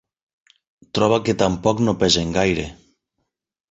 Troba que tampoc no pesen gaire.